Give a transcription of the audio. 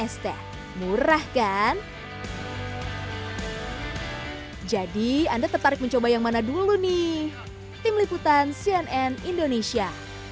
sampai jumpa di video selanjutnya